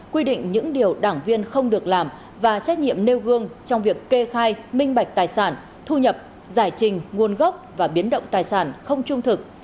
quy định những điều đảng viên không được làm và trách nhiệm nêu gương trong việc kê khai minh bạch tài sản thu nhập giải trình nguồn gốc và biến động tài sản không trung thực